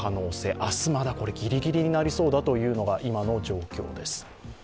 明日まだこれギリギリになりそうだというのが、今の状況です。